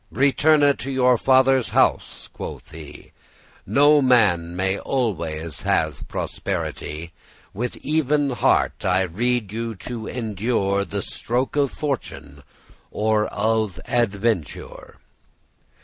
Returne to your father's house," quoth he; "No man may always have prosperity; With even heart I rede* you to endure *counsel The stroke of fortune or of aventure."